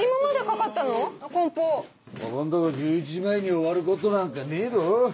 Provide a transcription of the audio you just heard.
ここんとこ１１時前に終わることなんかねえど。